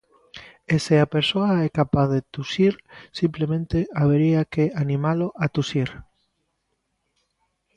E se a persoa é capaz de tusir, simplemente habería que animalo a tusir.